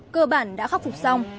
cơ bản đã khắc phục xong